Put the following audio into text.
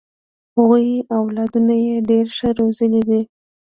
هغوی اولادونه یې ډېر ښه روزلي دي.